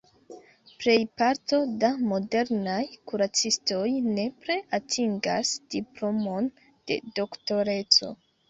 Plejparto da modernaj kuracistoj nepre atingas diplomon de Doktoreco.